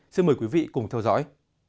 xin mời quý vị cùng theo dõi